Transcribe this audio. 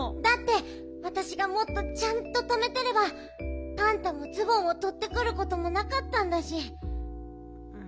だってわたしがもっとちゃんととめてればパンタもズボンをとってくることもなかったんだし。